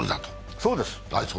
そうです。